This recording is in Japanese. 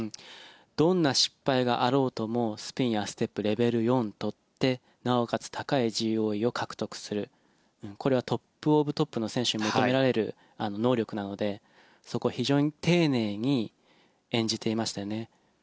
どんな失敗があろうともスピンやステップレベル４取ってなおかつ高いＧＯＥを獲得するこれはトップ・オブ・トップの選手に求められる能力なのでそこは非常に丁寧に演じていましたよね。